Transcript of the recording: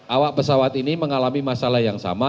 awak pesawat ini mengalami masalah yang sama